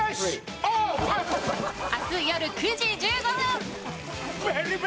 明日夜９時１５分。